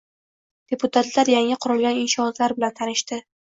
Deputatlar yangi qurilgan inshootlar bilan tanishdi